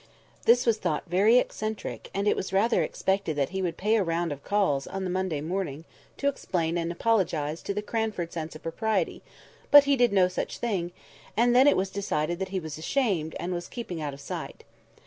This was thought very eccentric; and it was rather expected that he would pay a round of calls, on the Monday morning, to explain and apologise to the Cranford sense of propriety: but he did no such thing: and then it was decided that he was ashamed, and was keeping out of sight.